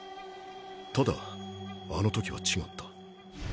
只あの時は違った。